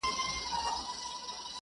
ستا د ښايستې خولې ښايستې خبري ـ